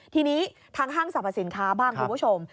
ทีนี้ทางห้างสรรพสินค้าบ้างคุณผู้ชม